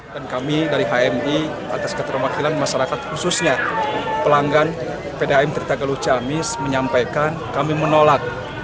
dan kami dari hmi atas ketermakilan masyarakat khususnya pelanggan pdam tirta galuh ciamis menyampaikan kami menolak